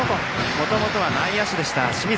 もともとは内野手だった清水。